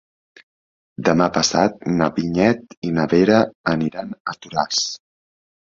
Demà passat na Vinyet i na Vera aniran a Toràs.